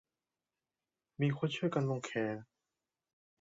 มีคนช่วยกันลงแขก